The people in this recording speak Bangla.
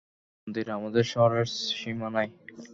মন্দির আমাদের শহরের সীমানায়।